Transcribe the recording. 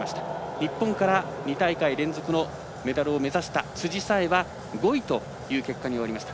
日本から２大会連続でメダル獲得を目指した辻沙絵は５位という結果に終わりました。